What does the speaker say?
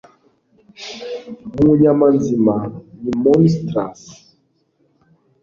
mu nyama nzima ni monstrous